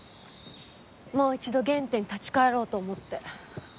もう一度原点に立ち返ろうと思って。